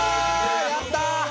やった！